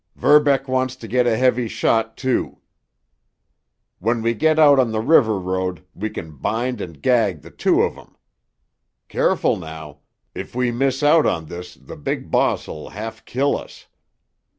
"Verbeck wants to get a heavy shot, too. When we get out on the river road we can bind and gag the two of 'em. Careful now. If we miss out on this the big boss'll half kill us."